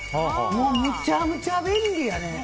むちゃむちゃ便利やで。